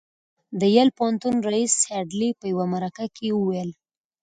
د يل پوهنتون رييس هيډلي په يوه مرکه کې وويل.